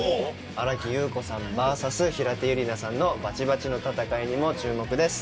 新木優子さんＶＳ平手友梨奈さんのバチバチの戦いにも注目です。